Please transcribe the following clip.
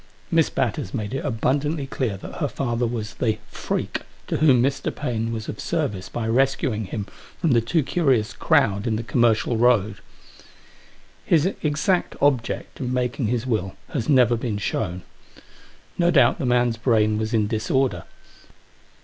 Miss Batters made it abundantly clear that her father was the " freak " to whom Mr. Paine was of service by rescuing him from the too curious crowd in the Commercial Road His exact object in making his will has never been shown. No doubt the man's brain was in disorder.